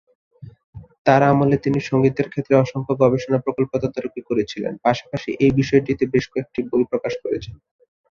তাঁর আমলে তিনি সংগীতের ক্ষেত্রে অসংখ্য গবেষণা প্রকল্প তদারকি করেছিলেন, পাশাপাশি এই বিষয়টিতে বেশ কয়েকটি বই প্রকাশ করেছেন।